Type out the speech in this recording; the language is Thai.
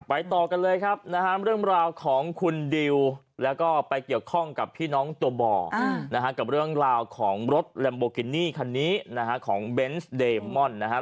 ต่อกันเลยครับนะฮะเรื่องราวของคุณดิวแล้วก็ไปเกี่ยวข้องกับพี่น้องตัวบ่อนะฮะกับเรื่องราวของรถลัมโบกินี่คันนี้นะฮะของเบนส์เดมอนนะครับ